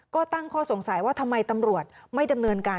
ก็ตั้งข้อสงสัยว่าทำไมตำรวจไม่ดำเนินการ